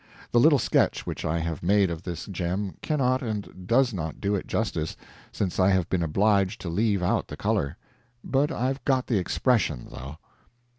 The little sketch which I have made of this gem cannot and does not do it justice, since I have been obliged to leave out the color. But I've got the expression, though.